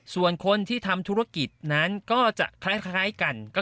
ส่วนคนที่ทำธุรกิจนั้นก็จะคล้ายกัน